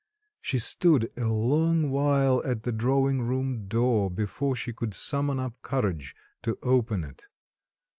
She stood a long while at the drawing room door before she could summon up courage to open it.